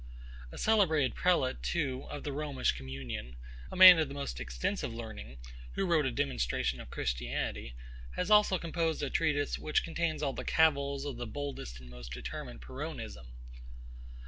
A celebrated prelate [Monsr. Huet] too, of the Romish communion, a man of the most extensive learning, who wrote a demonstration of Christianity, has also composed a treatise, which contains all the cavils of the boldest and most determined PYRRHONISM.